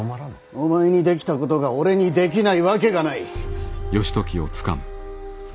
お前にできたことが俺にできないわけがない。